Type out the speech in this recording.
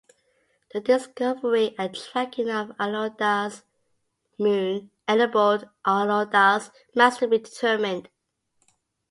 The discovery and tracking of Alauda's moon enabled Alauda's mass to be determined.